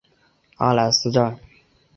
阿莱斯站。